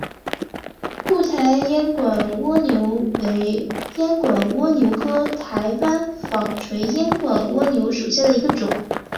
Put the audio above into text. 雾台烟管蜗牛为烟管蜗牛科台湾纺锤烟管蜗牛属下的一个种。